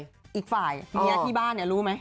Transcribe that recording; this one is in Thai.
พูดกันตรงอีกฝ่ายเมียที่บ้านเนี่ยรู้ไหม